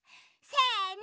せの！